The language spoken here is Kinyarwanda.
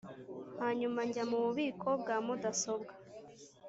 hanyuma njya mububiko bwa mudasobwa.